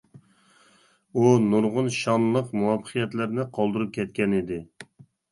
ئۇ نۇرغۇن شانلىق مۇۋەپپەقىيەتلەرنى قالدۇرۇپ كەتكەنىدى.